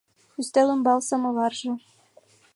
Ӱстел ӱмбал самоварже